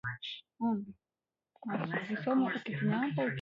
na kuua watu na kujeruhi wengine zaidi ya ishirini